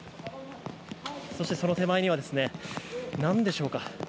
そして、その手前にはなんでしょうか。